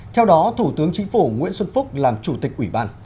theo đó thủ tướng chính phủ nguyễn xuân phúc làm chủ tịch ủy ban